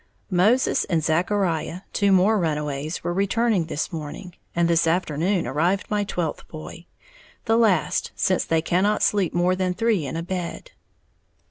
_ Moses and Zachariah, two more runaways, were returned this morning, and this afternoon arrived my twelfth boy, the last, since they cannot sleep more than three in a bed!